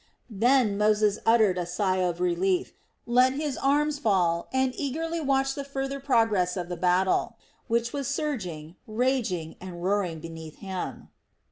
Then Moses uttered a sigh of relief, let his arms fall, and eagerly watched the farther progress of the battle, which was surging, raging and roaring beneath him.